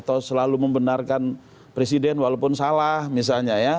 atau selalu membenarkan presiden walaupun salah misalnya ya